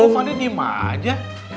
pak deh nyimah aja